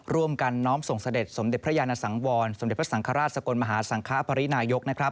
ร่วมกันน้อมส่งเสด็จสมเด็จพระยานสังวรสมเด็จพระสังฆราชสกลมหาสังคปรินายก